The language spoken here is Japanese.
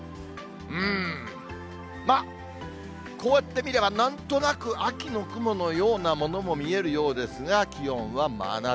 うーん、まあ、こうやって見れば、なんとなく秋の雲のようなものも見えるようですが、気温は真夏。